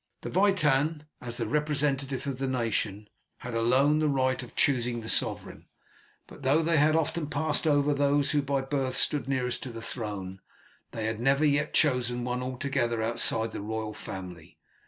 The Witan, as the representative of the nation, had alone the right of choosing the sovereign; but though they had often passed over those who by birth stood nearest to the throne, they had never yet chosen one altogether outside the royal family.